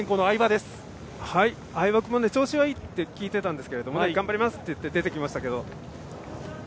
相葉君も調子はいいって聞いてたんですけど頑張りますって言って出てきましたけど。